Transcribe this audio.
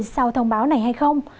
sau thông báo này hay không